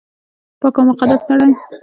پاک او مقدس سړی